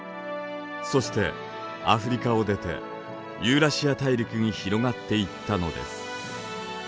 そしてアフリカを出てユーラシア大陸に広がっていったのです。